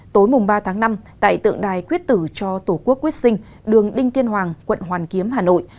tối mùng ba tháng năm tại tượng đài quyết tử cho tổ quốc quyết sinh đường đinh tiên hoàng quận hoàn kiếm hà nội